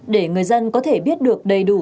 để người dân có thể biết được đầy đủ